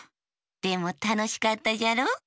でもたのしかったじゃろ？